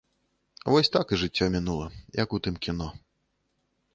Вось так і жыццё мінула, як у тым кіно.